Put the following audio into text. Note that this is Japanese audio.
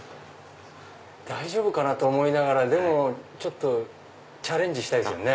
大丈夫かなと思いながらでもチャレンジしたいですよね。